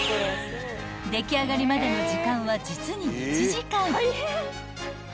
［出来上がりまでの時間は実に１時間］